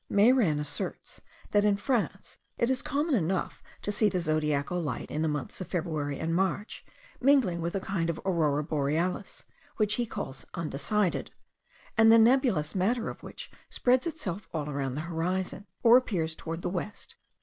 Mairan asserts, that in France it is common enough to see the zodiacal light, in the months of February and March, mingling with a kind of Aurora Borealis, which he calls 'undecided,' and the nebulous matter of which spreads itself all around the horizon, or appears toward the west.